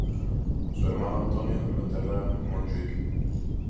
Su hermano Antonio lo enterró en Montjuich.